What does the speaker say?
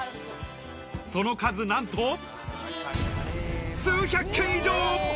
その数なんと、数百軒以上。